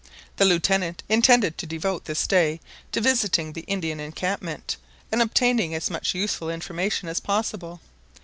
The Lieutenant intended to devote this day to visiting the Indian encampment, and obtaining as much useful information as possible.